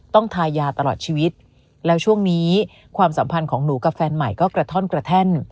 ทายาตลอดชีวิตแล้วช่วงนี้ความสัมพันธ์ของหนูกับแฟนใหม่ก็กระท่อนกระแท่น